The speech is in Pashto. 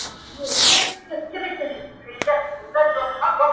لا یې ځای نه وو معلوم د کوم وطن وو.!